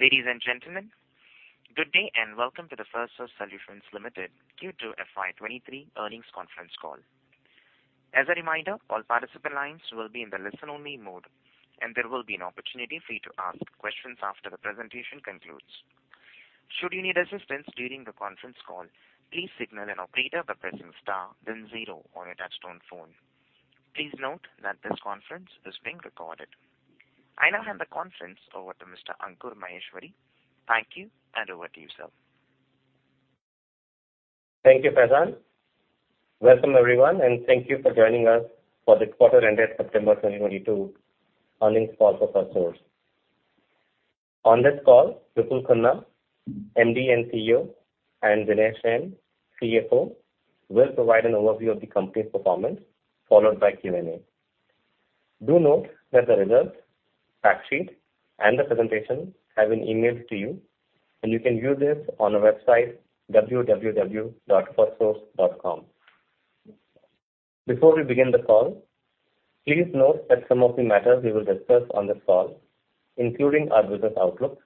Ladies and gentlemen, good day and welcome to the Firstsource Solutions Limited Q2 FY 2023 earnings conference call. As a reminder, all participant lines will be in the listen-only mode, and there will be an opportunity for you to ask questions after the presentation concludes. Should you need assistance during the conference call, please signal an operator by pressing star then zero on your touch-tone phone. Please note that this conference is being recorded. I now hand the conference over to Mr. Ankur Maheshwari. Thank you, and over to you, sir. Thank you, Faizan. Welcome, everyone, and thank you for joining us for this quarter-ended September 2022 earnings call for Firstsource. On this call, Vipul Khanna, MD and CEO, and Dinesh Jain, CFO, will provide an overview of the company's performance, followed by Q&A. Do note that the results, fact sheet, and the presentation have been emailed to you, and you can view this on our website www.firstsource.com. Before we begin the call, please note that some of the matters we will discuss on this call, including our business outlook,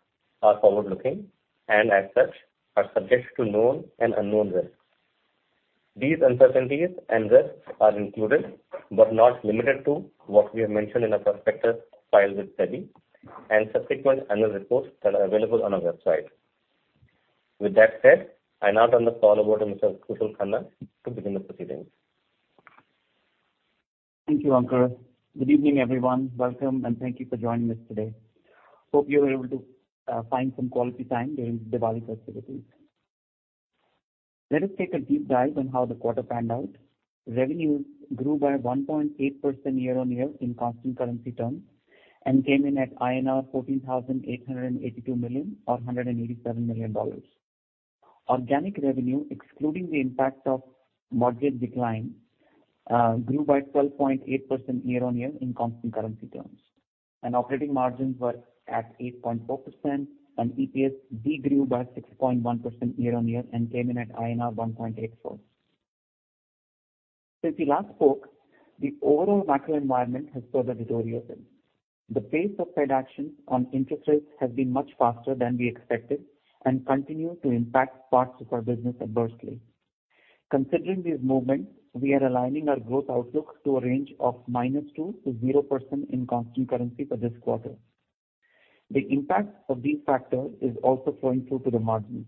are forward-looking and as such, are subject to known and unknown risks. These uncertainties and risks are included, but not limited to, what we have mentioned in our prospectus filed with SEBI and subsequent annual reports that are available on our website. With that said, I now turn the call over to Mr. Vipul Khanna to begin the proceedings. Thank you, Ankur. Good evening, everyone. Welcome, and thank you for joining us today. Hope you were able to find some quality time during Diwali festivities. Let us take a deep dive on how the quarter panned out. Revenues grew by 1.8% year-on-year in constant currency terms and came in at INR 14,882 million or $187 million. Organic revenue, excluding the impact of mortgage decline, grew by 12.8% year-on-year in constant currency terms. Operating margins were at 8.4% and EPS de-grew by 6.1% year-on-year and came in at INR 1.84. Since we last spoke, the overall macro environment has further deteriorated. The pace of Fed action on interest rates has been much faster than we expected and continues to impact parts of our business adversely. Considering these movements, we are aligning our growth outlook to a range of -2%-0% in constant currency for this quarter. The impact of these factors is also flowing through to the margins.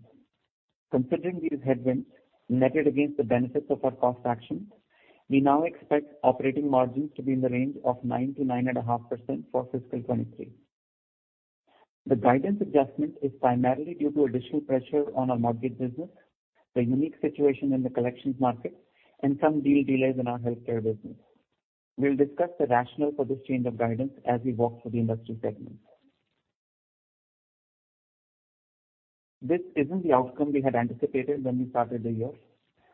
Considering these headwinds netted against the benefits of our cost actions, we now expect operating margins to be in the range of 9%-9.5% for fiscal 2023. The guidance adjustment is primarily due to additional pressure on our mortgage business, the unique situation in the collections market, and some deal delays in our healthcare business. We'll discuss the rationale for this change of guidance as we walk through the industry segments. This isn't the outcome we had anticipated when we started the year,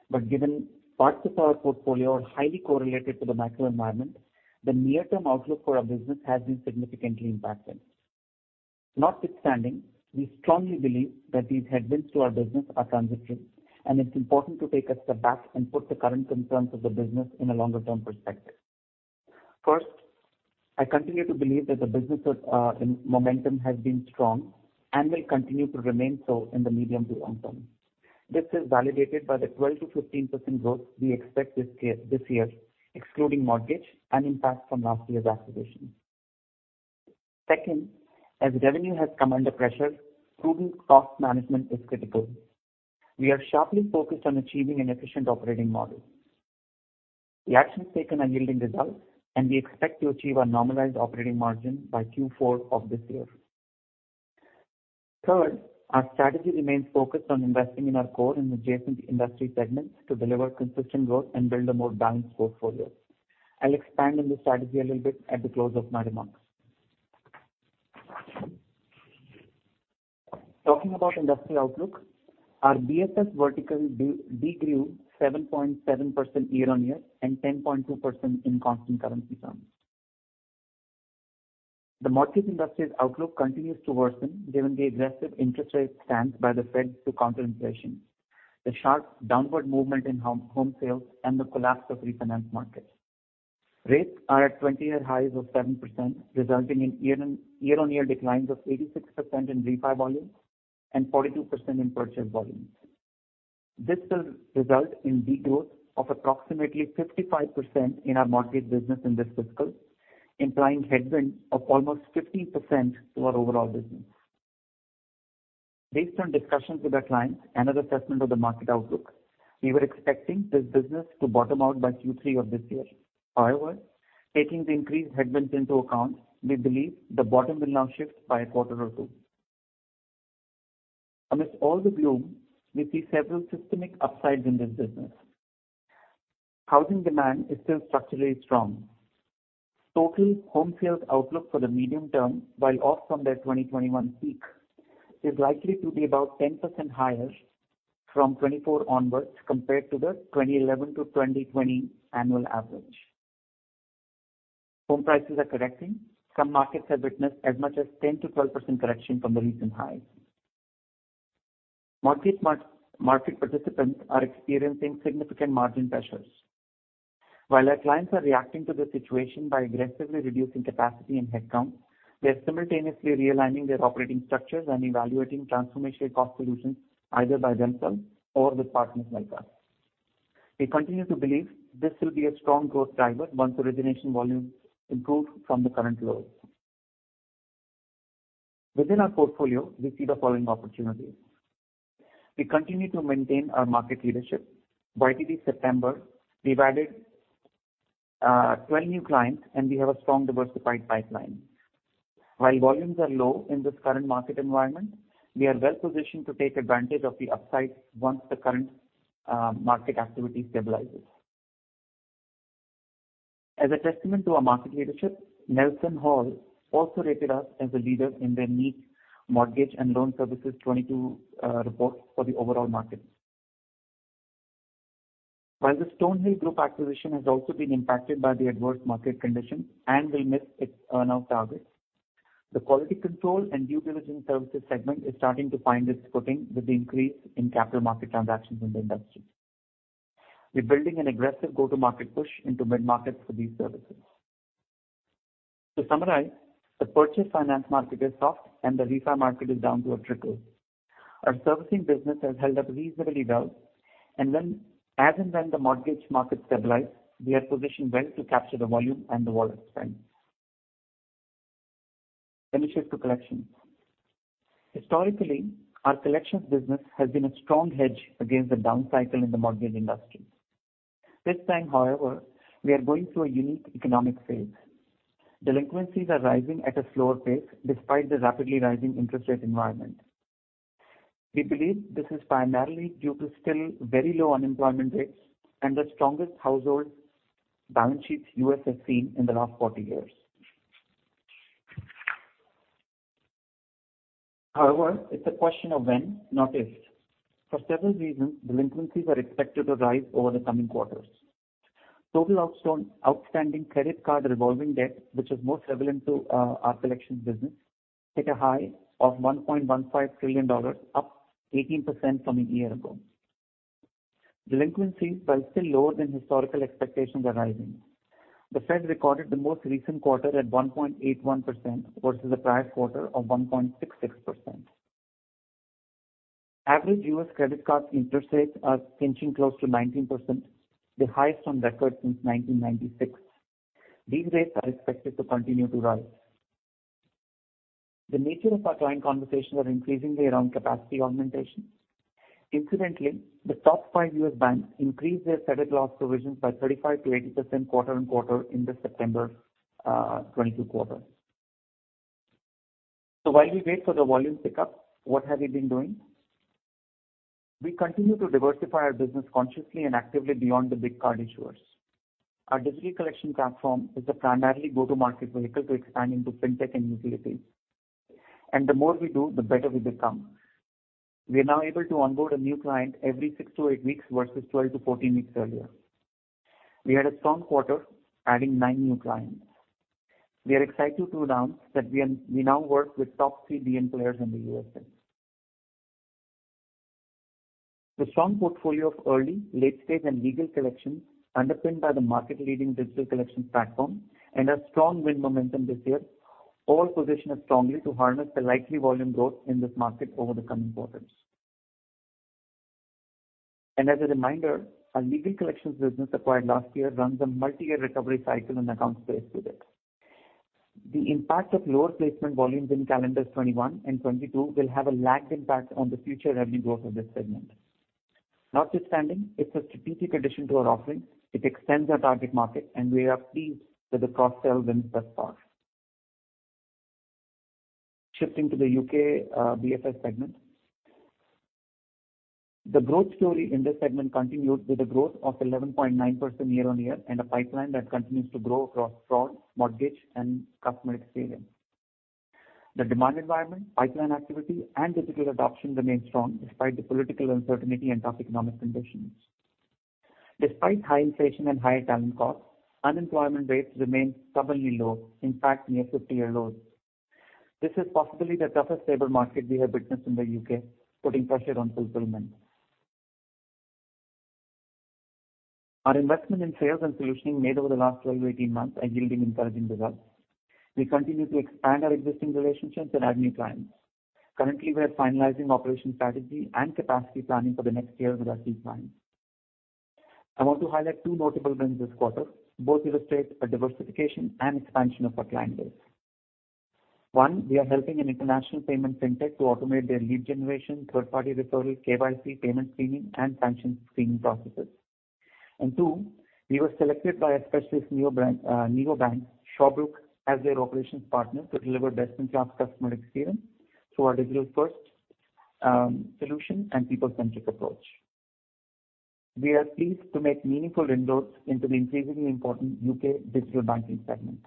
but given parts of our portfolio are highly correlated to the macro environment, the near-term outlook for our business has been significantly impacted. Notwithstanding, we strongly believe that these headwinds to our business are transitory, and it's important to take a step back and put the current concerns of the business in a longer-term perspective. First, I continue to believe that momentum has been strong and will continue to remain so in the medium to long term. This is validated by the 12%-15% growth we expect this year, excluding mortgage and impact from last year's acquisition. Second, as revenue has come under pressure, prudent cost management is critical. We are sharply focused on achieving an efficient operating model. The actions taken are yielding results, and we expect to achieve our normalized operating margin by Q4 of this year. Third, our strategy remains focused on investing in our core and adjacent industry segments to deliver consistent growth and build a more balanced portfolio. I'll expand on this strategy a little bit at the close of my remarks. Talking about industry outlook, our BFS vertical de-grew 7.7% year-on-year and 10.2% in constant currency terms. The mortgage industry's outlook continues to worsen given the aggressive interest rate stance by the Fed to counter inflation, the sharp downward movement in home sales, and the collapse of refinance markets. Rates are at 20-year highs of 7%, resulting in year-on-year declines of 86% in refi volumes and 42% in purchase volumes. This will result in degrowth of approximately 55% in our mortgage business in this fiscal, implying headwind of almost 15% to our overall business. Based on discussions with our clients and an assessment of the market outlook, we were expecting this business to bottom out by Q3 of this year. However, taking the increased headwinds into account, we believe the bottom will now shift by a quarter or two. Amidst all the gloom, we see several systemic upsides in this business. Housing demand is still structurally strong. Total home sales outlook for the medium term, while off from their 2021 peak, is likely to be about 10% higher from 2024 onwards compared to the 2011 to 2020 annual average. Home prices are correcting. Some markets have witnessed as much as 10%-12% correction from the recent highs. Mortgage market participants are experiencing significant margin pressures. While our clients are reacting to the situation by aggressively reducing capacity and headcount, they're simultaneously realigning their operating structures and evaluating transformation cost solutions, either by themselves or with partners like us. We continue to believe this will be a strong growth driver once the origination volume improves from the current lows. Within our portfolio, we see the following opportunities. We continue to maintain our market leadership. By YTD September, we've added 12 new clients, and we have a strong, diversified pipeline. While volumes are low in this current market environment, we are well-positioned to take advantage of the upside once the current market activity stabilizes. As a testament to our market leadership, NelsonHall also rated us as a leader in their unique mortgage and loan services 22 reports for the overall market. While the StoneHill Group acquisition has also been impacted by the adverse market conditions and will miss its earn-out targets, the quality control and due diligence services segment is starting to find its footing with the increase in capital market transactions in the industry. We're building an aggressive go-to-market push into mid-markets for these services. To summarize, the purchase finance market is soft, and the refi market is down to a trickle. Our servicing business has held up reasonably well. As and when the mortgage market stabilizes, we are positioned well to capture the volume and the wallet spend. Let me shift to collections. Historically, our collections business has been a strong hedge against the down cycle in the mortgage industry. This time, however, we are going through a unique economic phase. Delinquencies are rising at a slower pace despite the rapidly rising interest rate environment. We believe this is primarily due to still very low unemployment rates and the strongest household balance sheets U.S. has seen in the last 40 years. However, it's a question of when, not if. For several reasons, delinquencies are expected to rise over the coming quarters. Total outstanding credit card revolving debt, which is most relevant to our collections business, hit a high of $1.15 trillion, up 18% from a year ago. Delinquencies, while still lower than historical expectations, are rising. The Fed recorded the most recent quarter at 1.81% versus the prior quarter of 1.66%. Average U.S. credit card interest rates are pinching close to 19%, the highest on record since 1996. These rates are expected to continue to rise. The nature of our client conversations are increasingly around capacity augmentation. Incidentally, the top five U.S. banks increased their credit loss provisions by 35%-80% quarter-on-quarter in the September 2022 quarter. While we wait for the volume pickup, what have we been doing? We continue to diversify our business consciously and actively beyond the big card issuers. Our digital collection platform is the primary go-to-market vehicle to expand into fintech and utilities. The more we do, the better we become. We are now able to onboard a new client every 6-8 weeks versus 12-14 weeks earlier. We had a strong quarter, adding 9 new clients. We are excited to announce that we now work with top 3 BNPL players in the USA. The strong portfolio of early, late stage, and legal collections underpinned by the market-leading digital collection platform and a strong win momentum this year, all position us strongly to harness the likely volume growth in this market over the coming quarters. As a reminder, our legal collections business acquired last year runs a multi-year recovery cycle and accounts pay as you collect. The impact of lower placement volumes in calendar 2021 and 2022 will have a lagged impact on the future revenue growth of this segment. Notwithstanding, it's a strategic addition to our offering. It extends our target market, and we are pleased with the cross-sell wins thus far. Shifting to the UK, BFS segment. The growth story in this segment continues with a growth of 11.9% year-on-year and a pipeline that continues to grow across fraud, mortgage, and customer experience. The demand environment, pipeline activity, and digital adoption remain strong despite the political uncertainty and tough economic conditions. Despite high inflation and higher talent costs, unemployment rates remain stubbornly low, in fact near 50-year lows. This is possibly the toughest labor market we have witnessed in the UK, putting pressure on fulfillment. Our investment in sales and solutioning made over the last 12-18 months are yielding encouraging results. We continue to expand our existing relationships and add new clients. Currently, we are finalizing operation strategy and capacity planning for the next year with our key clients. I want to highlight two notable wins this quarter, both illustrate a diversification and expansion of our client base. One, we are helping an international payment fintech to automate their lead generation, third-party referral, KYC, payment screening, and sanction screening processes. Two, we were selected by a specialist neobank, Shawbrook, as their operations partner to deliver best-in-class customer experience through our digital-first solution and people-centric approach. We are pleased to make meaningful inroads into the increasingly important UK digital banking segment.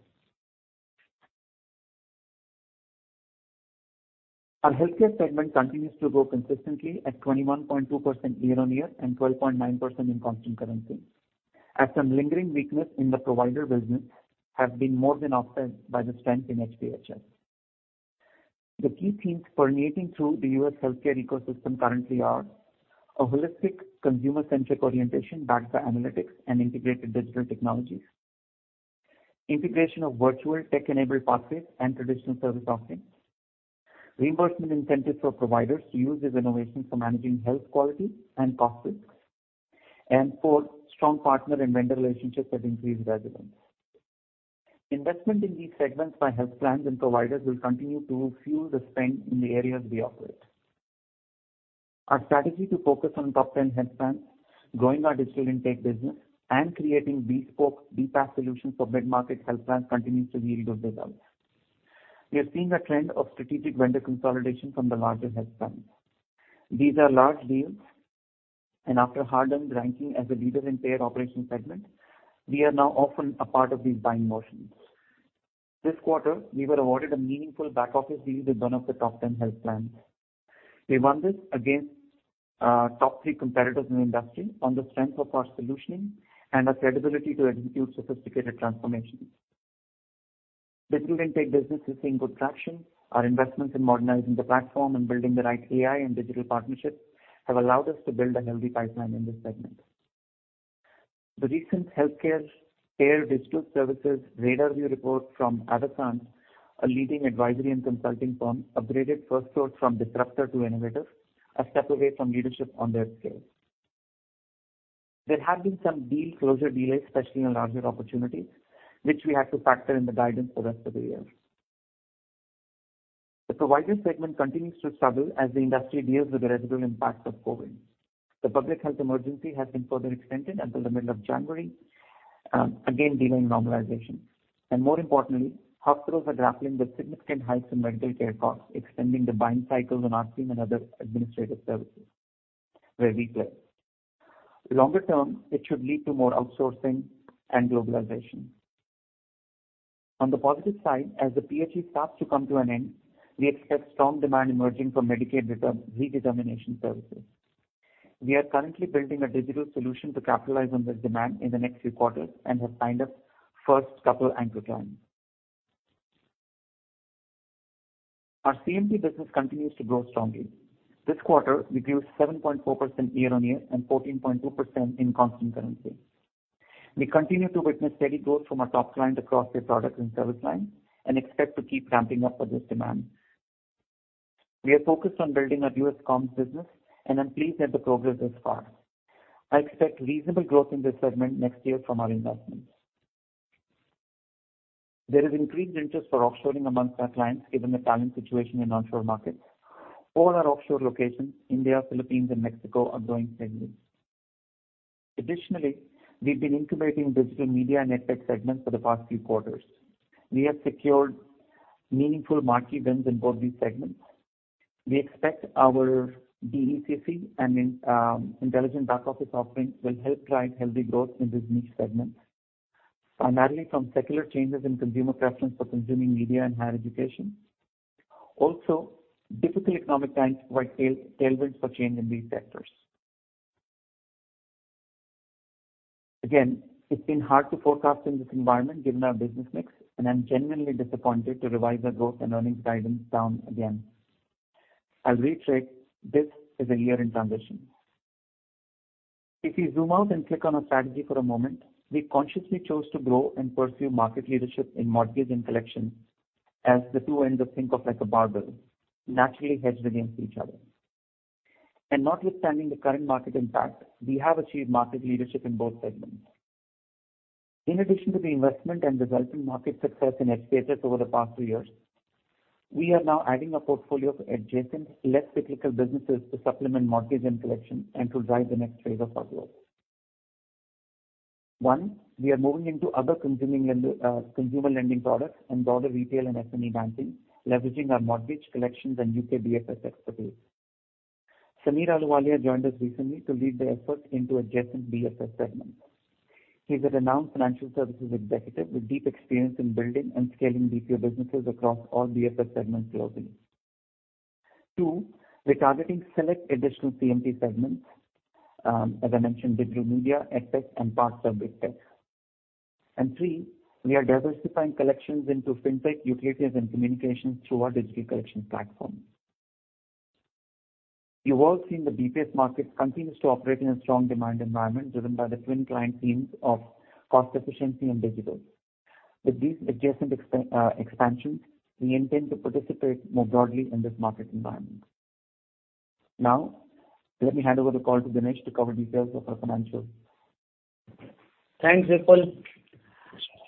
Our healthcare segment continues to grow consistently at 21.2% year-on-year and 12.9% in constant currency. As some lingering weakness in the provider business have been more than offset by the strength in HPHS. The key themes permeating through the U.S. healthcare ecosystem currently are a holistic consumer-centric orientation backed by analytics and integrated digital technologies. Integration of virtual tech-enabled pathways and traditional service offerings. Reimbursement incentives for providers to use these innovations for managing health quality and costs. Fourth, strong partner and vendor relationships that increase resilience. Investment in these segments by health plans and providers will continue to fuel the spend in the areas we operate. Our strategy to focus on top 10 health plans, growing our digital intake business, and creating bespoke BPaaS solutions for mid-market health plans continues to yield good results. We are seeing a trend of strategic vendor consolidation from the larger health plans. These are large deals, and after hard-earned ranking as the leaders in payer operations segment, we are now often a part of these buying motions. This quarter, we were awarded a meaningful back-office deal with one of the top 10 health plans. We won this against top three competitors in the industry on the strength of our solutioning and our credibility to execute sophisticated transformations. Digital intake business is seeing good traction. Our investments in modernizing the platform and building the right AI and digital partnerships have allowed us to build a healthy pipeline in this segment. The recent Healthcare Payor Digital Services RadarView report from Avasant, a leading advisory and consulting firm, upgraded Firstsource from disruptor to innovator, a step away from leadership on their scale. There have been some deal closure delays, especially on larger opportunities, which we had to factor in the guidance for rest of the year. The provider segment continues to struggle as the industry deals with the residual impacts of COVID. The public health emergency has been further extended until the middle of January, again delaying normalization. More importantly, hospitals are grappling with significant hikes in medical care costs, extending the buying cycles on RCM and other administrative services where we play. Longer term, it should lead to more outsourcing and globalization. On the positive side, as the PHE starts to come to an end, we expect strong demand emerging from Medicaid redetermination services. We are currently building a digital solution to capitalize on this demand in the next few quarters, and have signed up first couple anchor clients. Our CMT business continues to grow strongly. This quarter, we grew 7.4% year-on-year and 14.2% in constant currency. We continue to witness steady growth from our top clients across their products and service lines and expect to keep ramping up for this demand. We are focused on building our US comms business, and I'm pleased at the progress thus far. I expect reasonable growth in this segment next year from our investments. There is increased interest for offshoring amongst our clients, given the talent situation in onshore markets. All our offshore locations, India, Philippines and Mexico, are growing steadily. Additionally, we've been incubating digital media and EdTech segments for the past few quarters. We have secured meaningful marquee wins in both these segments. We expect our DECC and intelligent back office offerings will help drive healthy growth in this niche segment, primarily from secular changes in consumer preference for consuming media and higher education. Also, difficult economic times provide tailwinds for change in these sectors. Again, it's been hard to forecast in this environment given our business mix, and I'm genuinely disappointed to revise our growth and earnings guidance down again. I'll reiterate, this is a year in transition. If you zoom out and click on our strategy for a moment, we consciously chose to grow and pursue market leadership in mortgage and collections as the two ends of think of like a barbell, naturally hedged against each other. Notwithstanding the current market impact, we have achieved market leadership in both segments. In addition to the investment and developing market success in HPHS over the past two years, we are now adding a portfolio of adjacent, less cyclical businesses to supplement mortgage and collections and to drive the next phase of our growth. One, we are moving into other consumer lender, consumer lending products and broader retail and SME banking, leveraging our mortgage, collections, and UK BFS expertise. Sameer Ahluwalia joined us recently to lead the effort into adjacent BFS segments. He's a renowned financial services executive with deep experience in building and scaling BPO businesses across all BFS segments globally. Two, we're targeting select additional CMT segments, as I mentioned, digital media, EdTech and parts of big tech. Three, we are diversifying collections into fintech, utilities and communications through our digital collections platform. You've all seen the BPO market continues to operate in a strong demand environment driven by the twin client themes of cost efficiency and digital. With these adjacent expansions, we intend to participate more broadly in this market environment. Now, let me hand over the call to Dinesh to cover details of our financials. Thanks, Vipul.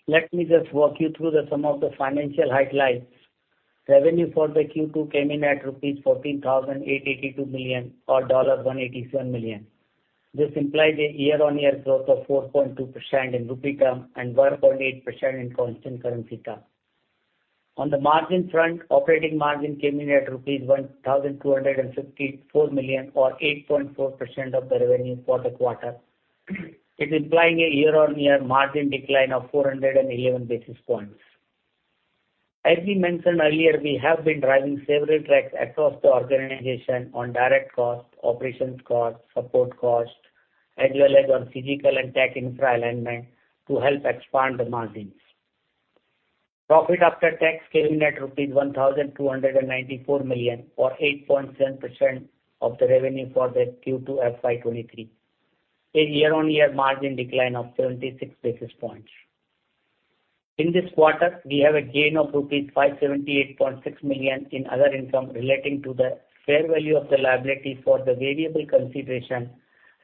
Let me just walk you through some of the financial highlights. Revenue for the Q2 came in at rupees 14,882 million or $187 million. This implies a year-on-year growth of 4.2% in rupee term and 1.8% in constant currency term. On the margin front, operating margin came in at rupees 1,254 million or 8.4% of the revenue for the quarter. It's implying a year-on-year margin decline of 411 basis points. We mentioned earlier, we have been driving several tracks across the organization on direct costs, operations costs, support costs, as well as on physical and tech infra alignment to help expand the margins. Profit after tax came in at rupees 1,294 million or 8.7% of the revenue for the Q2 FY 2023, a year-on-year margin decline of 76 basis points. In this quarter, we have a gain of rupees 578.6 million in other income relating to the fair value of the liability for the variable consideration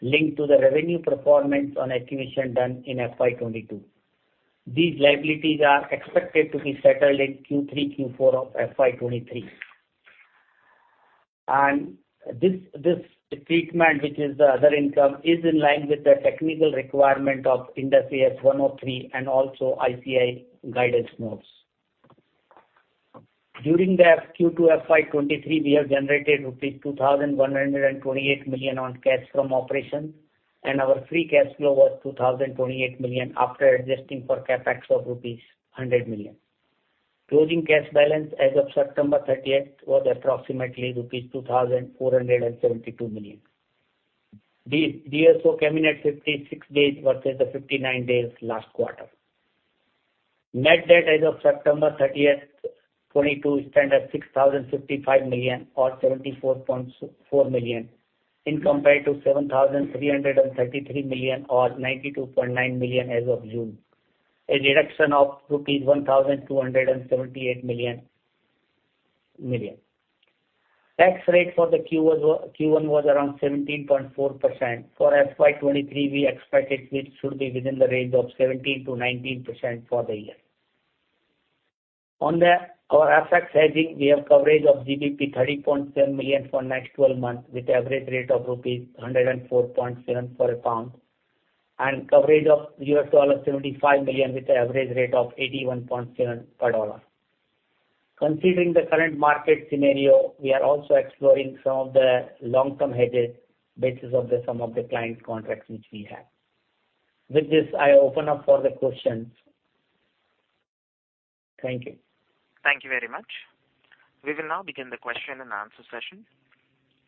linked to the revenue performance on acquisition done in FY 2022. These liabilities are expected to be settled in Q3, Q4 of FY 2023. This treatment, which is the other income, is in line with the technical requirement of Ind AS 103 and also ICAI guidance notes. During the Q2 FY 2023, we have generated rupees 2,128 million from cash from operations, and our free cash flow was 2,028 million after adjusting for CapEx of rupees 100 million. Closing cash balance as of September 30 was approximately rupees 2,472 million. DSO coming at 56 days versus the 59 days last quarter. Net debt as of September 30, 2022 stands at 6,055 million or $74.4 million compared to 7,333 million or $92.9 million as of June, a reduction of rupees 1,278 million. Tax rate for the Q1 was around 17.4%. For FY 2023, we expect it which should be within the range of 17%-19% for the year. Our FX hedging, we have coverage of 30.7 million for next 12 months with average rate of rupees 104.7 for a pound, and coverage of $75 million with an average rate of 81.7 per dollar. Considering the current market scenario, we are also exploring some of the long-term hedges based on some of the client contracts which we have. With this, I open up for the questions. Thank you. Thank you very much. We will now begin the question and answer session.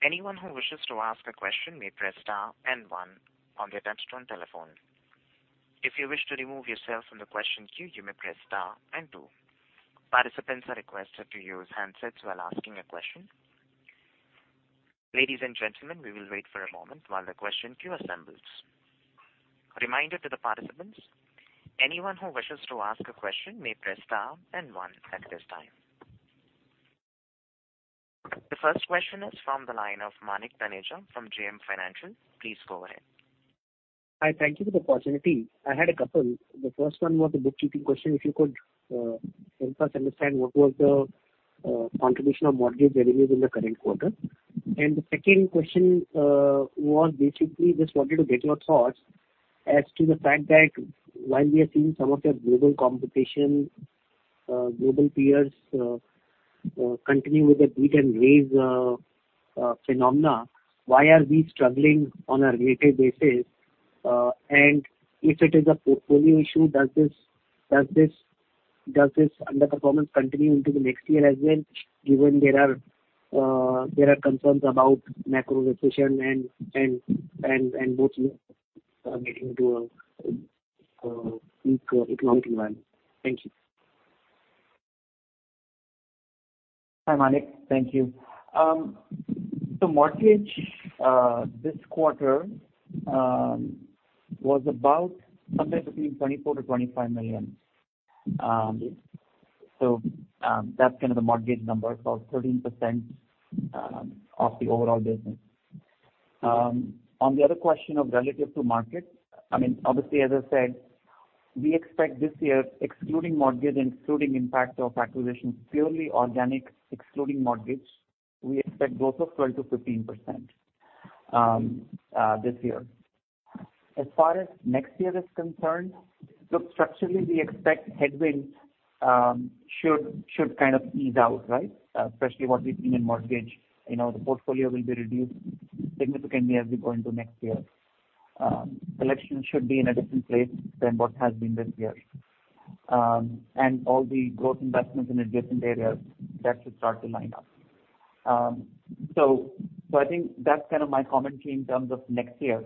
Anyone who wishes to ask a question may press star and one on their touch-tone telephone. If you wish to remove yourself from the question queue, you may press star and two. Participants are requested to use handsets while asking a question. Ladies and gentlemen, we will wait for a moment while the question queue assembles. A reminder to the participants, anyone who wishes to ask a question may press star and one at this time. The first question is from the line of Manik Taneja from JM Financial. Please go ahead. Hi. Thank you for the opportunity. I had a couple. The first one was a bookkeeping question. If you could help us understand what was the contribution of mortgage revenues in the current quarter? The second question was basically just wanted to get your thoughts as to the fact that while we are seeing some of your global competition, global peers continue with the beat and raise phenomena, why are we struggling on a relative basis? And if it is a portfolio issue, does this underperformance continue into the next year as well, given there are concerns about macro recession and both leading to a weak economic environment? Thank you. Hi, Manik. Thank you. The mortgage this quarter was about somewhere between 24 million-25 million. So, that's kind of the mortgage number. It's about 13% of the overall business. On the other question, relative to market, I mean, obviously, as I said, we expect this year, excluding mortgage and excluding impact of acquisitions, purely organic, excluding mortgage, we expect growth of 12%-15% this year. As far as next year is concerned, look, structurally, we expect headwinds should kind of ease out, right? Especially what we've seen in mortgage. You know, the portfolio will be reduced significantly as we go into next year. Collections should be in a different place than what has been this year. All the growth investments in adjacent areas, that should start to line up. I think that's kind of my commentary in terms of next year.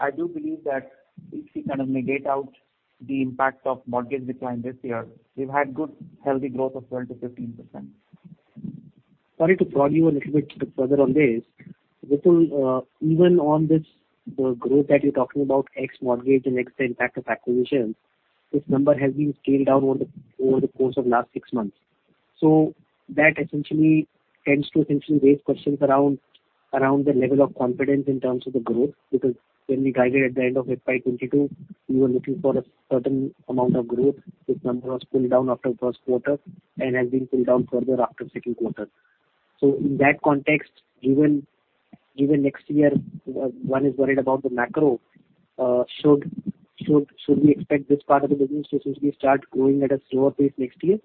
I do believe that if we kind of mitigate out the impact of mortgage decline this year, we've had good healthy growth of 12%-15%. Sorry to prod you a little bit further on this. A little even on this, the growth that you're talking about, ex-mortgage and ex the impact of acquisitions, this number has been scaled down over the course of last six months. That essentially tends to raise questions around the level of confidence in terms of the growth. Because when we guided at the end of FY 2022, we were looking for a certain amount of growth. This number was pulled down after first quarter and has been pulled down further after second quarter. In that context, even next year, one is worried about the macro. Should we expect this part of the business to essentially start growing at a slower pace next year?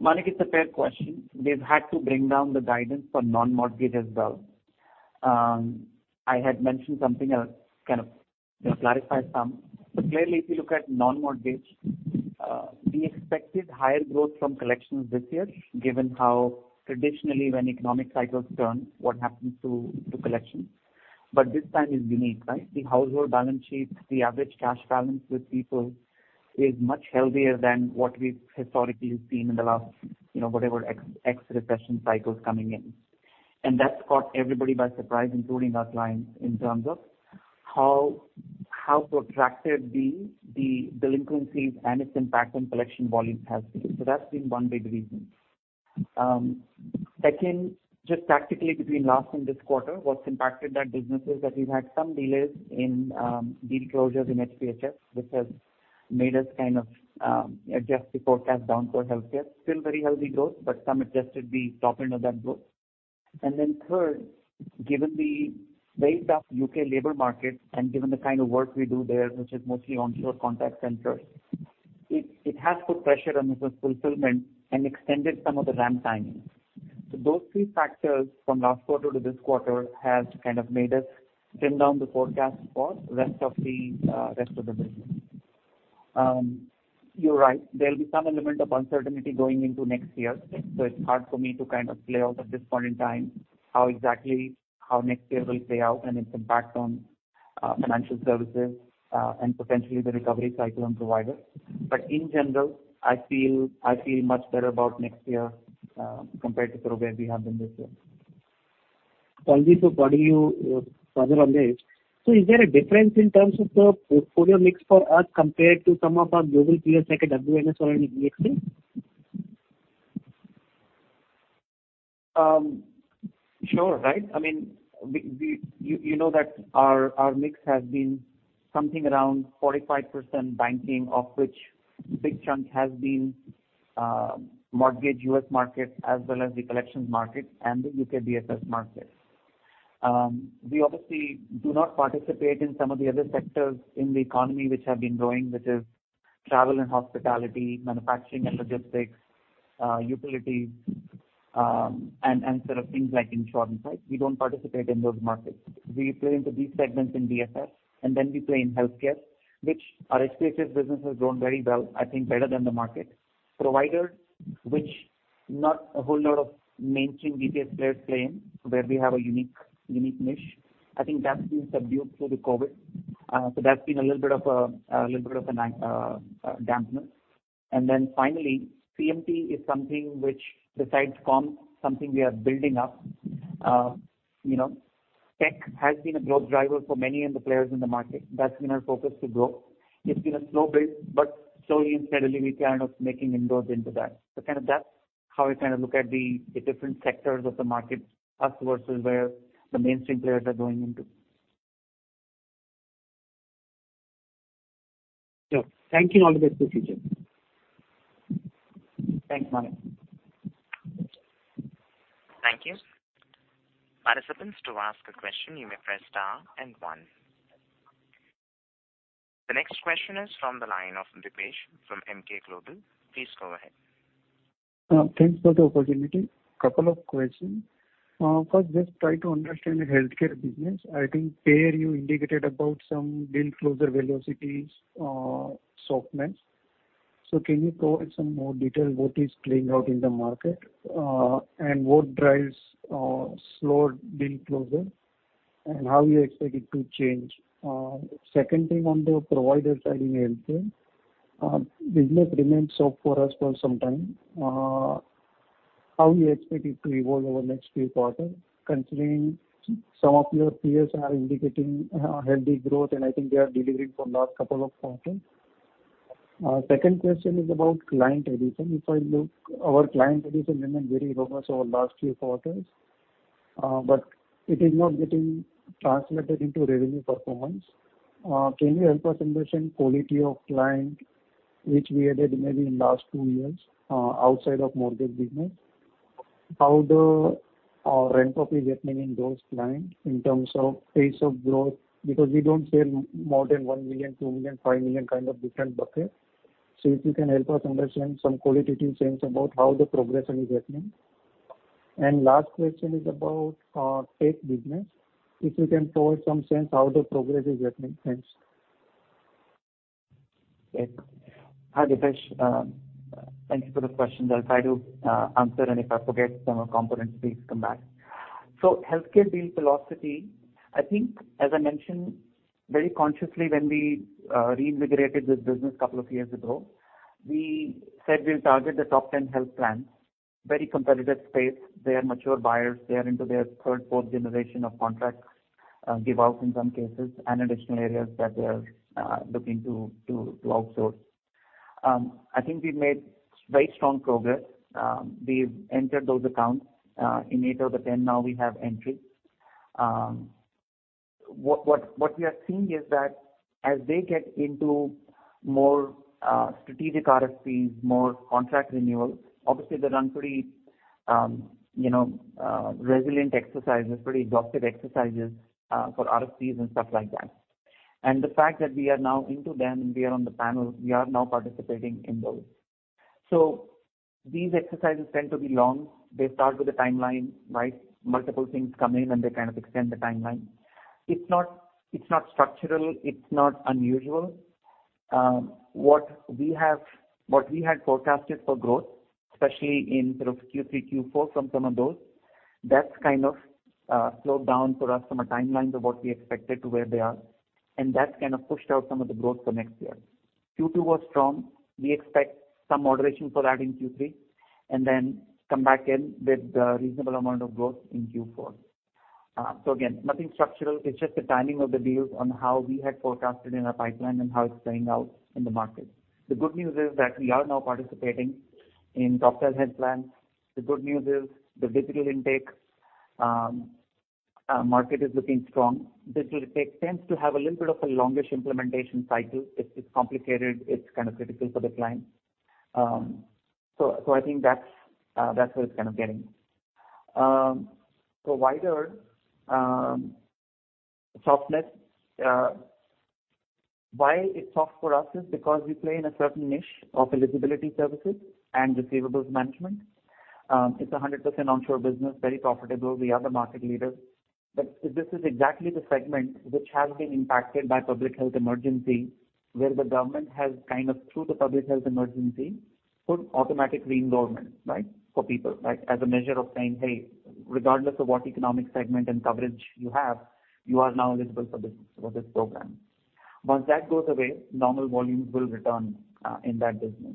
Manik, it's a fair question. They've had to bring down the guidance for non-mortgage as well. I had mentioned something, I'll kind of clarify some. Clearly, if you look at non-mortgage, we expected higher growth from collections this year, given how traditionally when economic cycles turn, what happens to collection. This time is unique, right? The household balance sheet, the average cash balance with people is much healthier than what we've historically seen in the last, whatever ex-recession cycles coming in. That's caught everybody by surprise, including our clients, in terms of how protracted the delinquencies and its impact on collection volumes has been. That's been one big reason. Second, just tactically between last and this quarter, what's impacted that business is that we've had some delays in deal closures in HPHS, which has made us kind of adjust the forecast down for healthcare. Still very healthy growth, but some adjusted the top end of that growth. Third, given the tight UK labor market and given the kind of work we do there, which is mostly onshore contact centers, it has put pressure on business fulfillment and extended some of the ramp timing. Those three factors from last quarter to this quarter has kind of made us trim down the forecast for rest of the rest of the business. You're right. There'll be some element of uncertainty going into next year, so it's hard for me to kind of play out at this point in time how exactly next year will play out and its impact on financial services and potentially the recovery cycle and providers. In general, I feel much better about next year compared to where we have been this year. Vipul, following you, further on this. Is there a difference in terms of the portfolio mix for us compared to some of our global peers like a WNS or an EXL? Sure. Right. I mean, we— You know that our mix has been something around 45% banking, of which a big chunk has been mortgage U.S. market as well as the collections market and the U.K. BFS market. We obviously do not participate in some of the other sectors in the economy which have been growing, which is travel and hospitality, manufacturing and logistics, utilities, and sort of things like insurance, right? We don't participate in those markets. We play into these segments in BFS, and then we play in healthcare, which our HPHS business has grown very well, I think better than the market. Provider, which not a whole lot of mainstream BPO players play in, so where we have a unique niche. I think that's been subdued through the COVID, so that's been a little bit of an dampener. Then finally, CMT is something which besides comms, something we are building up. You know, tech has been a growth driver for many of the players in the market. That's been our focus to grow. It's been a slow build, but slowly and steadily we're kind of making inroads into that. Kind of that's how we kind of look at the different sectors of the market, us versus where the mainstream players are going into. Sure. Thank you. All the best for future. Thanks, Manik. Thank you. Participants, to ask a question you may press star and one. The next question is from the line of Dipesh from Emkay Global. Please go ahead. Thanks for the opportunity. Couple of questions. First, just try to understand the healthcare business. I think there you indicated about some deal closure velocities, softness. Can you provide some more detail what is playing out in the market, and what drives slow deal closure and how you expect it to change? Second thing on the provider side in healthcare, business remains soft for us for some time. How you expect it to evolve over next few quarters, considering some of your peers are indicating healthy growth, and I think they are delivering for last couple of quarters. Second question is about client addition. If I look, our client addition remained very robust over last few quarters, but it is not getting translated into revenue performance. Can you help us understand quality of client which we added maybe in last two years, outside of mortgage business? How the ramp-up is happening in those clients in terms of pace of growth? Because we don't see more than $1 million, $2 million, $5 million kind of different buckets. So if you can help us understand some qualitative sense about how the progression is happening. Last question is about tech business. If you can provide some sense how the progress is happening since. Yes. Hi, Dipesh. Thank you for those questions. I'll try to answer, and if I forget some components, please come back. Healthcare deal velocity, I think as I mentioned very consciously when we reinvigorated this business couple of years ago, we said we'll target the top 10 health plans. Very competitive space. They are mature buyers. They are into their third, fourth generation of contracts, given out in some cases and additional areas that they're looking to outsource. I think we've made very strong progress. We've entered those accounts. In 8 of the 10 now we have entry. What we are seeing is that as they get into more strategic RFPs, more contract renewals, obviously they run pretty you know resilient exercises, pretty exhaustive exercises for RFPs and stuff like that. The fact that we are now into them and we are on the panel, we are now participating in those. These exercises tend to be long. They start with a timeline, right? Multiple things come in, and they kind of extend the timeline. It's not structural, it's not unusual. What we had forecasted for growth, especially in sort of Q3, Q4 from some of those, that's kind of slowed down for us from a timeline to what we expected to where they are, and that's kind of pushed out some of the growth for next year. Q2 was strong. We expect some moderation for that in Q3, and then come back in with a reasonable amount of growth in Q4. Again, nothing structural. It's just the timing of the deals on how we had forecasted in our pipeline and how it's playing out in the market. The good news is that we are now participating in health plans. The good news is the digital intake market is looking strong. Digital intake tends to have a little bit of a longish implementation cycle. It's complicated. It's kind of critical for the client. I think that's where it's kind of getting. Wider softness. Why it's soft for us is because we play in a certain niche of eligibility services and receivables management. It's 100% onshore business, very profitable. We are the market leaders. This is exactly the segment which has been impacted by public health emergency, where the government has kind of, through the public health emergency, put automatic re-endorsements, right? For people, right? As a measure of saying, "Hey, regardless of what economic segment and coverage you have, you are now eligible for this, for this program." Once that goes away, normal volumes will return in that business.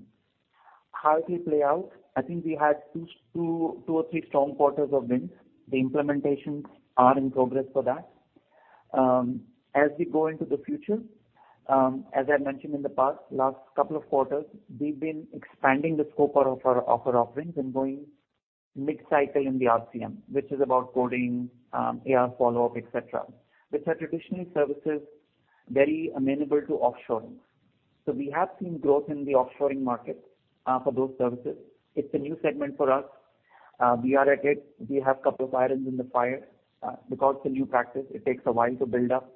How it will play out, I think we had two or three strong quarters of wins. The implementations are in progress for that. As we go into the future, as I mentioned in the past, last couple of quarters, we've been expanding the scope of our offerings and going mid-cycle in the RCM, which is about coding, AR follow-up, et cetera, which are traditionally services very amenable to offshoring. We have seen growth in the offshoring market for those services. It's a new segment for us. We are at it. We have couple of irons in the fire. Because it's a new practice, it takes a while to build up.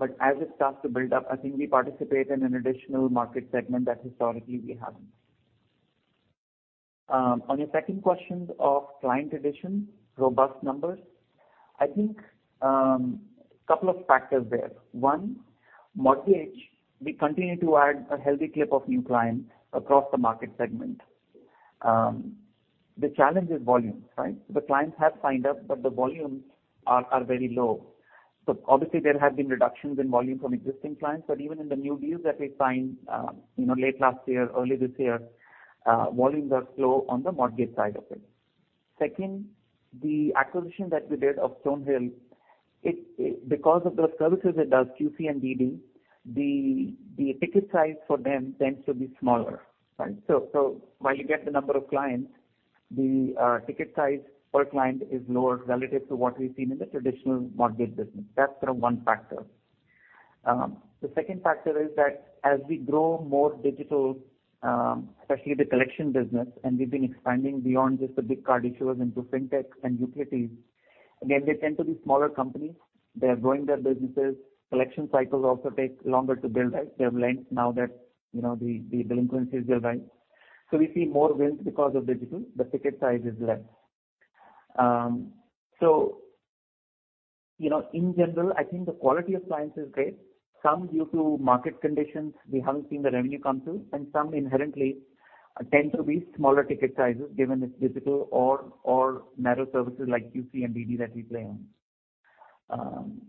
As it starts to build up, I think we participate in an additional market segment that historically we haven't. On your second question of client addition, robust numbers, I think, couple of factors there. One, mortgage, we continue to add a healthy clip of new clients across the market segment. The challenge is volumes, right? The clients have signed up, but the volumes are very low. Obviously there have been reductions in volume from existing clients, but even in the new deals that we signed, you know, late last year, early this year, volumes are slow on the mortgage side of it. Second, the acquisition that we did of StoneHill, it because of those services it does, QC and DD, the ticket size for them tends to be smaller, right? While you get the number of clients, the ticket size per client is lower relative to what we've seen in the traditional mortgage business. That's sort of one factor. The second factor is that as we grow more digital, especially the collection business, and we've been expanding beyond just the big card issuers into Fintech and utilities, again, they tend to be smaller companies. They are growing their businesses. Collection cycles also take longer to build, right? They have length now that, you know, the delinquencies build, right? We see more wins because of digital. The ticket size is less. You know, in general, I think the quality of clients is great. Some due to market conditions, we haven't seen the revenue come through, and some inherently tend to be smaller ticket sizes given it's digital or narrow services like QC and DD that we play on.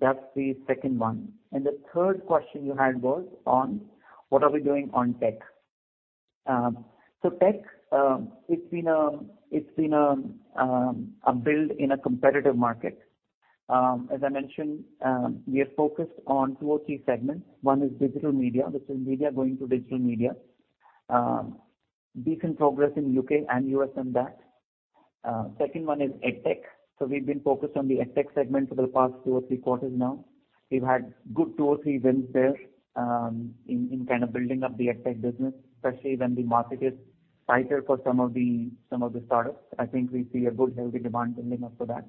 That's the second one. The third question you had was on what are we doing on tech. Tech, it's been a build in a competitive market. As I mentioned, we are focused on two or three segments. One is digital media. This is media going to digital media. Decent progress in UK and US on that. Second one is EdTech. We've been focused on the EdTech segment for the past two or three quarters now. We've had good two or three wins there, in kind of building up the EdTech business, especially when the market is tighter for some of the startups. I think we see a good healthy demand building up for that.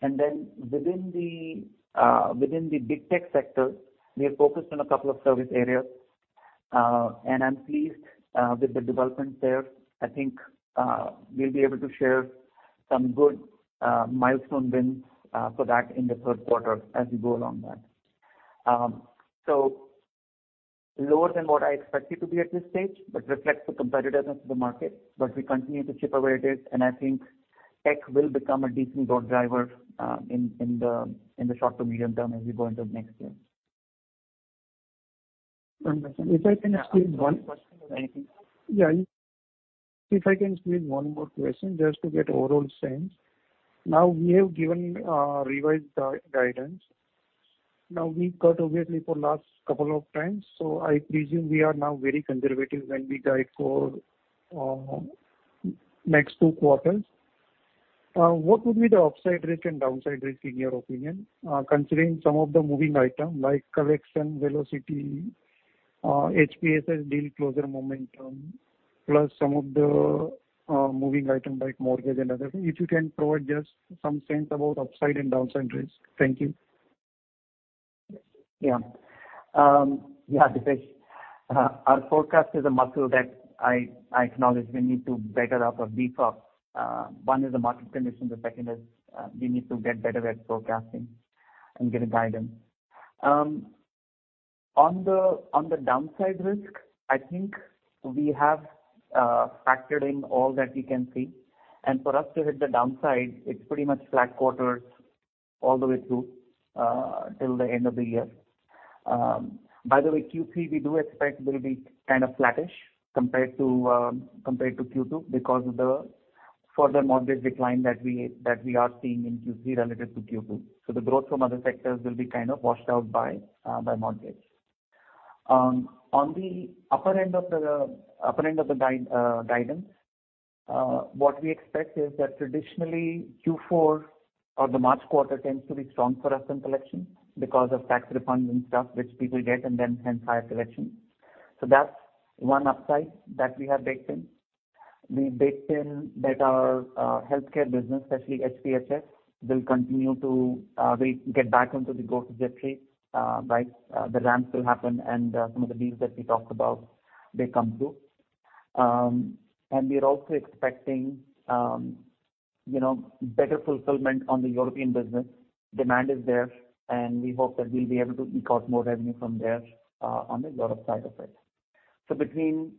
Within the big tech sector, we are focused on a couple of service areas, and I'm pleased with the development there. I think we'll be able to share some good milestone wins for that in the third quarter as we go along that. Lower than what I expected to be at this stage, but reflects the competitiveness of the market. We continue to chip away at it, and I think tech will become a decent growth driver, in the short to medium term as we go into next year. If I can ask you one- Yeah. Yeah. If I can squeeze one more question just to get overall sense. Now, we have given revised guidance. Now, we cut obviously for last couple of times, so I presume we are now very conservative when we guide for next two quarters. What would be the upside risk and downside risk in your opinion, considering some of the moving item like collection velocity, HPHS deal closure momentum, plus some of the moving item like mortgage and other. If you can provide just some sense about upside and downside risk. Thank you. Yeah, Dipesh. Our forecast is a muscle that I acknowledge we need to beef up. One is the market condition, the second is we need to get better at forecasting and giving guidance. On the downside risk, I think we have factored in all that we can see. For us to hit the downside, it's pretty much flat quarters all the way through till the end of the year. By the way, Q3 we do expect will be kind of flattish compared to Q2 because of the further mortgage decline that we are seeing in Q3 relative to Q2. The growth from other sectors will be kind of washed out by mortgage. On the upper end of the guidance, what we expect is that traditionally Q4 or the March quarter tends to be strong for us in collection because of tax refunds and stuff which people get and then hence higher collection. That's one upside that we have baked in. We baked in that our healthcare business, especially HPHS, will get back onto the growth trajectory. The ramps will happen and some of the deals that we talked about, they come through. We are also expecting, you know, better fulfillment on the European business. Demand is there, and we hope that we'll be able to eke out more revenue from there on the Europe side of it. Between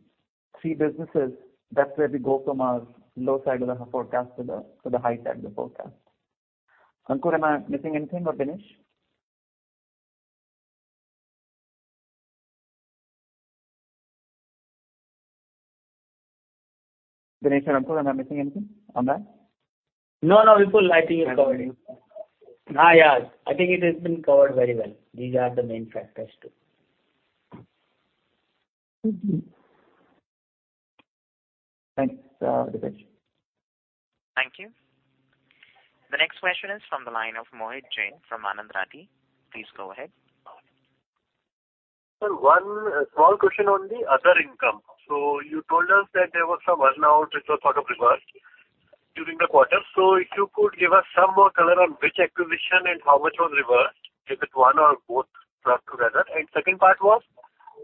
three businesses, that's where we go from our low side of the forecast to the high side of the forecast. Ankur, am I missing anything? Or Dinesh? Dinesh or Ankur, am I missing anything on that? No, no, Vipul. I think you've covered it. Thank you. Yeah. I think it has been covered very well. These are the main factors too. Thank you. Thanks, Dinesh. Thank you. The next question is from the line of Mohit Jain from Anand Rathi. Please go ahead. Sir, one small question on the other income. You told us that there were some earn-outs which were part of reversal during the quarter. If you could give us some more color on which acquisition and how much was reversed, is it one or both clubbed together? Second part was,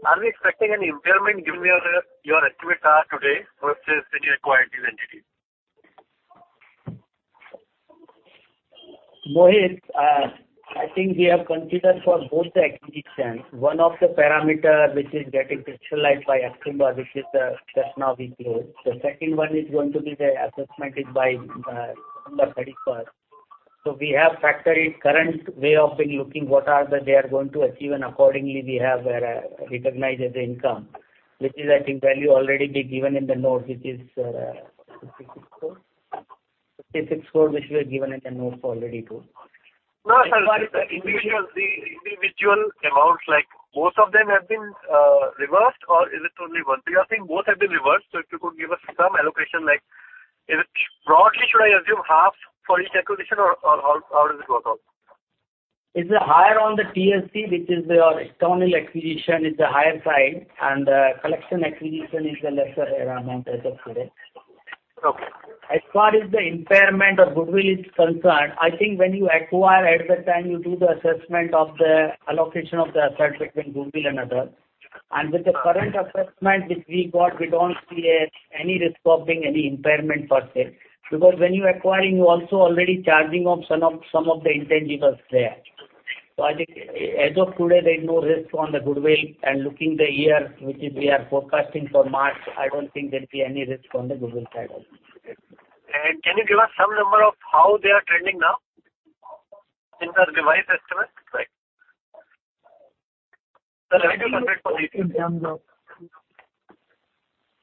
are we expecting any impairment given your estimates as of today versus when you acquired these entities? Mohit, I think we have considered for both the acquisitions. One of the parameter which is getting crystallized by October, which is just now we closed. The second one is going to be the assessment by September 31st. We have factored in current way of looking what they are going to achieve, and accordingly we have recognized as income. Which is I think value already been given in the note, which is 56 crore which we have given in the note already too. No, sir. As far as the individual amounts, like most of them have been reversed or is it only one? We are saying both have been reversed, so if you could give us some allocation like is it broadly should I assume half for each acquisition or how does it work out? It's higher on the TSC, which is your external acquisition is the higher side and collection acquisition is the lesser amount as of today. Okay. As far as the impairment of goodwill is concerned, I think when you acquire, at that time you do the assessment of the allocation of the asset between goodwill and other. With the current assessment which we got, we don't see any risk of being any impairment per se. Because when you acquiring, you also already charging off some of the intangibles there. I think as of today, there's no risk on the goodwill. Looking the year, which is we are forecasting for March, I don't think there'd be any risk on the goodwill side of it. Can you give us some number of how they are trending now in the revised estimate? Like the revenue run rate for these two.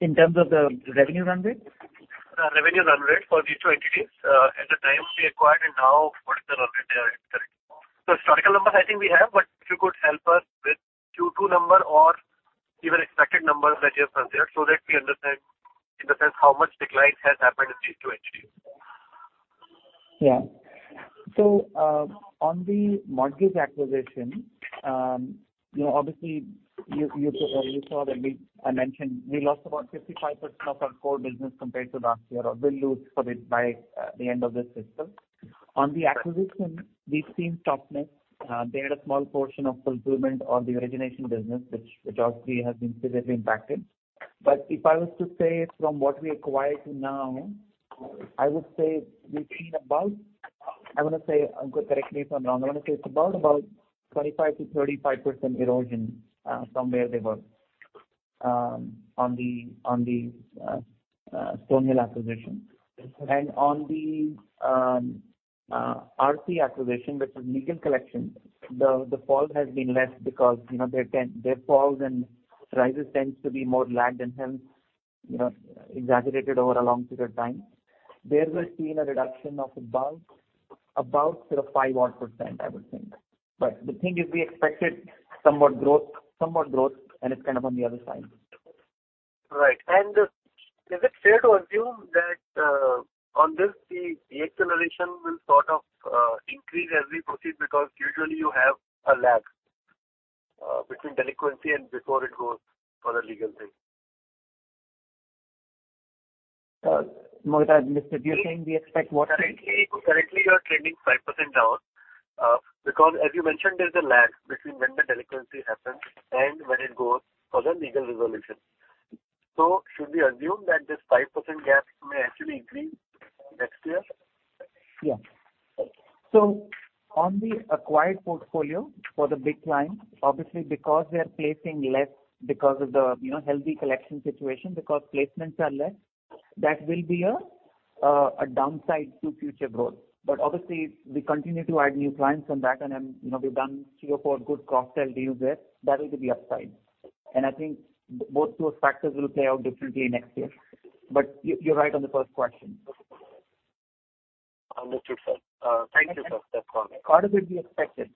In terms of the revenue run rate? The revenue run rate for these two entities, at the time we acquired and now, what is the run rate they are at currently? The historical numbers I think we have, but if you could help us with Q2 number or even expected numbers that you have done there so that we understand in the sense how much decline has happened in these two entities. Yeah. On the mortgage acquisition, you know, obviously you saw that I mentioned we lost about 55% of our core business compared to last year, or we'll lose for it by the end of this fiscal. On the acquisition, we've seen toughness. They had a small portion of fulfillment on the origination business which obviously has been severely impacted. If I was to say from what we acquired to now, I would say we've seen about, I want to say, Ankur, correct me if I'm wrong. I want to say it's about 25%-35% erosion from where they were on the StoneHill acquisition. On the ARSI acquisition, which was legal collection, the fall has been less because, you know, their trends, their falls and rises tend to be more lagged and hence, you know, exaggerated over a long period of time. There we've seen a reduction of about sort of 5%, I would think. The thing is we expected somewhat growth, and it's kind of on the other side. Right. Is it fair to assume that on this, the acceleration will sort of increase as we proceed? Because usually you have a lag between delinquency and before it goes for the legal thing. Mohit, do you think we expect what? Currently you're trending 5% down, because as you mentioned, there's a lag between when the delinquency happens and when it goes for the legal resolution. Should we assume that this 5% gap may actually increase next year? Yeah. Okay. On the acquired portfolio for the big clients, obviously because they're placing less because of the, you know, healthy collection situation, because placements are less, that will be a downside to future growth. Obviously we continue to add new clients on that and, you know, we've done three or four good cross-sell deals there. That will be the upside. I think both those factors will play out differently next year. You're right on the first question. Understood, sir. Thank you, sir. That's all. Part of it we expected,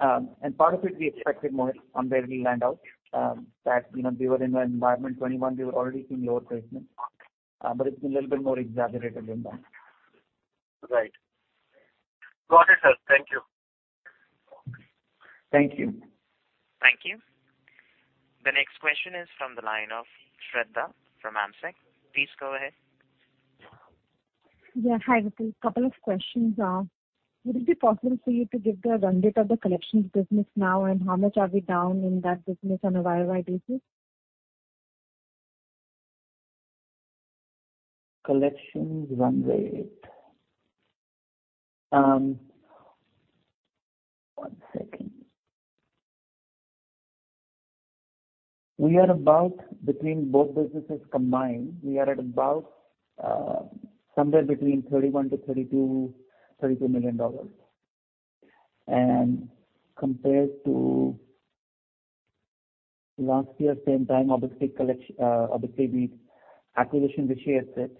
Mohit, on where we land out, that, you know, we were in an environment 2021 we were already seeing lower placements. It's a little bit more exaggerated than that. Right. Got it, sir. Thank you. Thank you. Thank you. The next question is from the line of Shradha from Amsec. Please go ahead. Yeah. Hi, Vipul. Couple of questions. Would it be possible for you to give the run rate of the collections business now and how much are we down in that business on a Y-O-Y basis? Collections run rate. We are about between both businesses combined, we are at about somewhere between 31-32, $32 million. Compared to last year, same time, obviously the acquisition which shares it,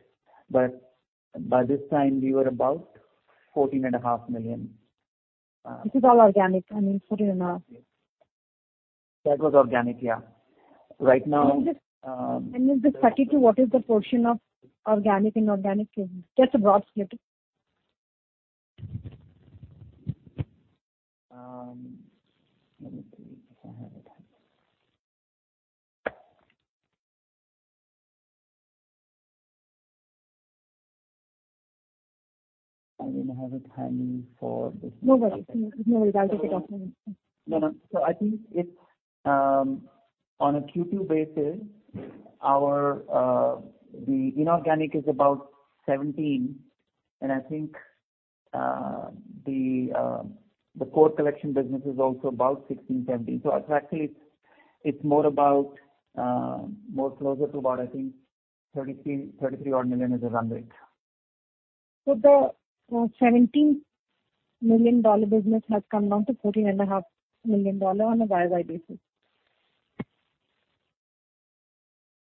but by this time we were about $14.5 million. This is all organic. I mean, 40.5%. That was organic, yeah. Right now. Can you just 32, what is the portion of organic, inorganic business? Just a broad split. Let me see if I have it. I don't have it handy for this. No worries. I'll take it off memory. No, no. I think it's on a Q2 basis, our inorganic is about 17 million and I think the core collection business is also about 16-17 million. Effectively it's more about more closer to about I think 33 odd million is the run rate. The $17 million business has come down to $14.5 million on a Y-O-Y basis?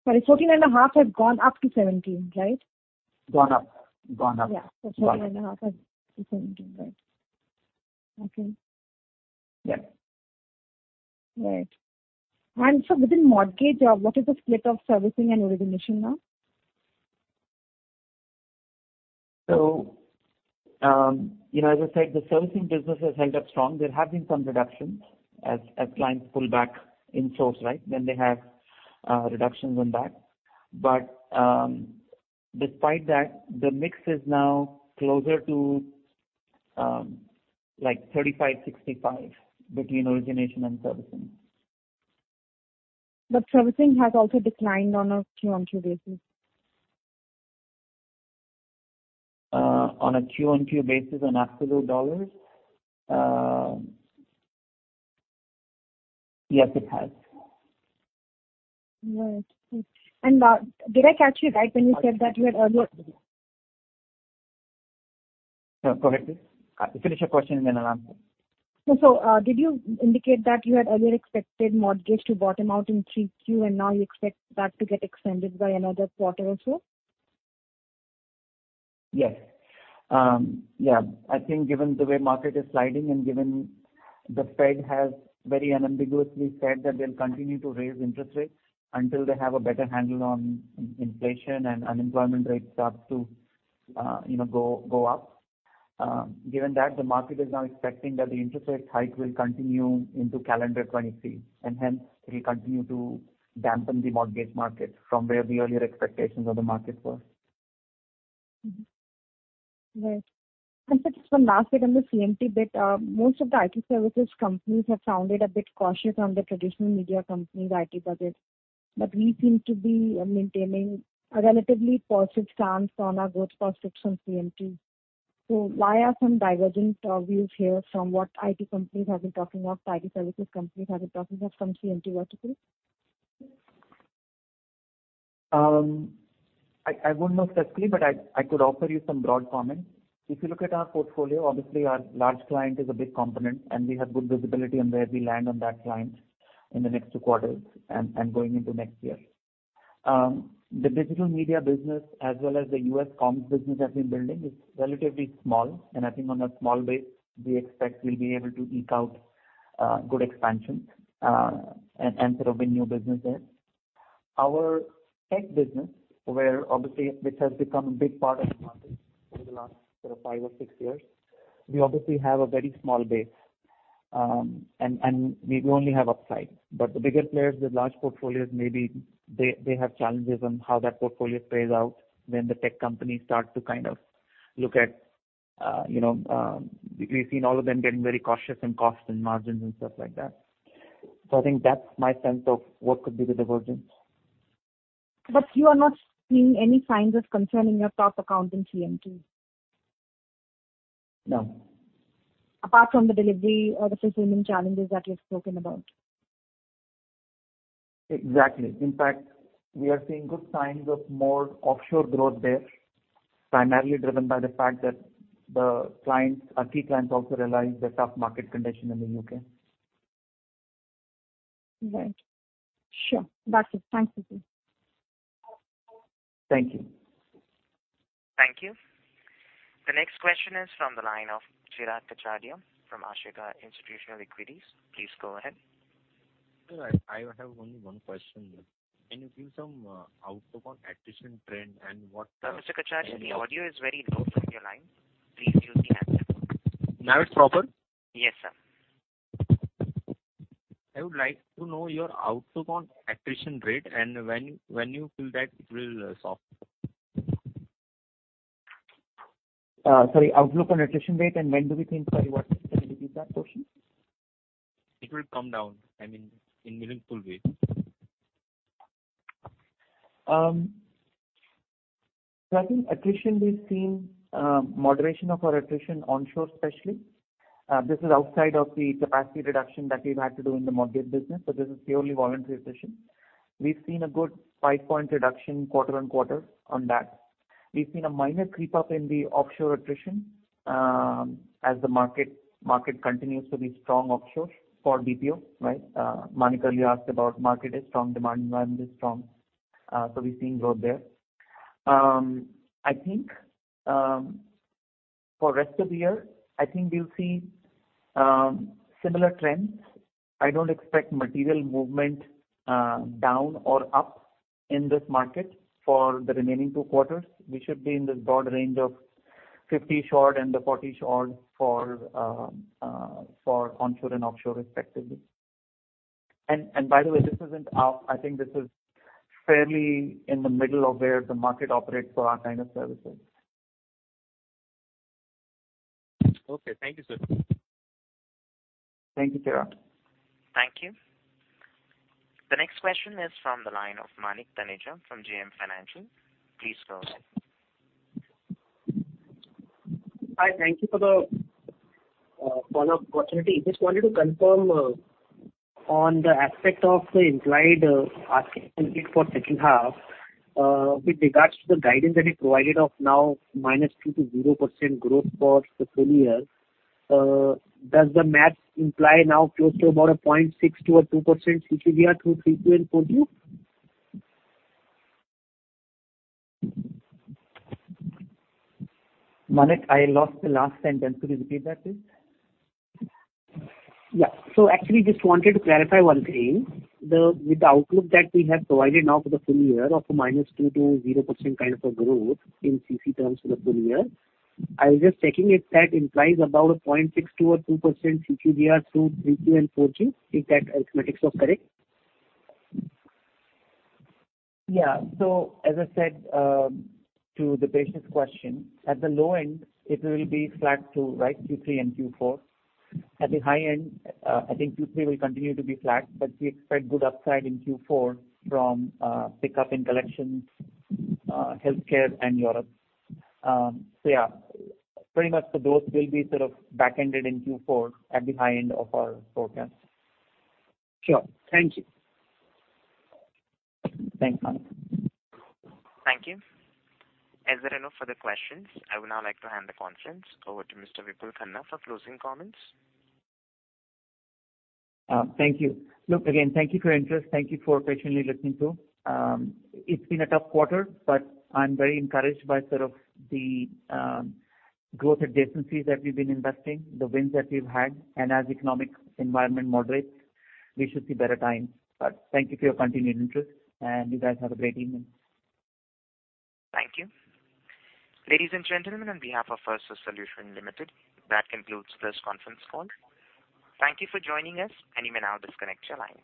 Sorry, $14.5 million have gone up to $17 million, right? Gone up. 14.5 up to 17, right. Okay. Yeah. Right. Within mortgage, what is the split of servicing and origination now? you know, as I said, the servicing business has held up strong. There have been some reductions as clients pull back insource, right, then they have reductions on that. despite that, the mix is now closer to, like 35%-65% between origination and servicing. Servicing has also declined on a Q-o-Q basis. On a Q-o-Q basis on absolute dollars? Yes, it has. Right. Did I catch you right when you said that you had earlier? No, go ahead. Finish your question and then I'll answer. Did you indicate that you had earlier expected mortgage to bottom out in 3Q and now you expect that to get extended by another quarter or so? Yes. Yeah. I think given the way the market is sliding and given the Fed has very unambiguously said that they'll continue to raise interest rates until they have a better handle on inflation and unemployment rates starts to, you know, go up. Given that, the market is now expecting that the interest rate hike will continue into calendar 2023, and hence it'll continue to dampen the mortgage market from where the earlier expectations of the market were. Mm-hmm. Right. Just one last bit on the CMT bit. Most of the IT services companies have sounded a bit cautious on the traditional media company's IT budget, but we seem to be maintaining a relatively positive stance on our growth prospects on CMT. Why are some divergent views here from what the IT services companies have been talking of in some CMT verticals? I wouldn't know specifically, but I could offer you some broad comments. If you look at our portfolio, obviously our large client is a big component and we have good visibility on where we land on that client in the next two quarters and going into next year. The digital media business as well as the US comms business that we're building is relatively small and I think on a small base, we expect we'll be able to eke out good expansion and sort of a new business there. Our tech business where obviously this has become a big part of the market over the last sort of five or six years. We obviously have a very small base and we only have upside. The bigger players with large portfolios, maybe they have challenges on how that portfolio plays out when the tech companies start to kind of look at, we've seen all of them getting very cautious in cost and margins and stuff like that. I think that's my sense of what could be the divergence. You are not seeing any signs of concern in your top account in CMT? No. Apart from the delivery or the fulfillment challenges that you've spoken about. Exactly. In fact, we are seeing good signs of more offshore growth there, primarily driven by the fact that the clients, our key clients also realize the tough market condition in the UK. Right. Sure. That's it. Thanks, Vipul. Thank you. Thank you. The next question is from the line of Chirag Kachhadiya from Ashika Institutional Equities. Please go ahead. Sir, I have only one question. Can you give some outlook on attrition trend? Mr. Kachhadiya, the audio is very low from your line. Please use the handset. Now it's proper? Yes, sir. I would like to know your outlook on attrition rate and when you feel that it will soften. Sorry, outlook on attrition rate and when do we think? Sorry, what? Can you repeat that portion? It will come down, I mean, in meaningful way. I think attrition, we've seen, moderation of our attrition onshore, especially. This is outside of the capacity reduction that we've had to do in the mortgage business. This is purely voluntary attrition. We've seen a good 5-point reduction quarter-over-quarter on that. We've seen a minor creep up in the offshore attrition, as the market continues to be strong offshore for BPO, right? Manik earlier asked about the market is strong, demand environment is strong. We're seeing growth there. I think, for the rest of the year, I think we'll see, similar trends. I don't expect material movement, down or up in this market for the remaining 2 quarters. We should be in this broad range of 50s and the 40s for onshore and offshore respectively. By the way, this isn't our. I think this is fairly in the middle of where the market operates for our kind of services. Okay. Thank you, sir. Thank you, Chirag. Thank you. The next question is from the line of Manik Taneja from JM Financial. Please go ahead. Hi. Thank you for the call opportunity. Just wanted to confirm on the aspect of the implied asking for second half with regards to the guidance that you provided of -2%-0% growth for the full year. Does the math imply close to about 0.62% or 2% CCGR through 3Q and 4Q? Manik Taneja, I lost the last sentence. Can you repeat that, please? Yeah. Actually just wanted to clarify one thing. With the outlook that we have provided now for the full year of -2% to 0% kind of a growth in CC terms for the full year. I was just checking if that implies about a 0.62% or 2% CCGR through 3Q and 4Q. If that arithmetic is correct. Yeah. As I said to the previous question, at the low end it will be flat to right Q3 and Q4. At the high end, I think Q3 will continue to be flat, but we expect good upside in Q4 from pickup in collections, healthcare and Europe. Yeah, pretty much the growth will be sort of back-ended in Q4 at the high end of our forecast. Sure. Thank you. Thanks, Manik. Thank you. As there are no further questions, I would now like to hand the conference over to Mr. Vipul Khanna for closing comments. Thank you. Thank you again. Thank you for your interest. It's been a tough quarter, but I'm very encouraged by sort of the growth adjacencies that we've been investing in, the wins that we've had. As the economic environment moderates, we should see better times. Thank you for your continued interest, and you guys have a great evening. Thank you. Ladies and gentlemen, on behalf of Firstsource Solutions Limited, that concludes this conference call. Thank you for joining us, and you may now disconnect your lines.